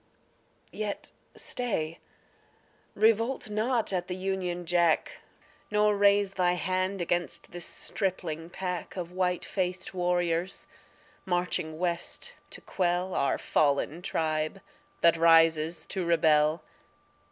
Yet stay. Revolt not at the Union Jack, Nor raise Thy hand against this stripling pack Of white faced warriors, marching West to quell Our fallen tribe that rises to rebel.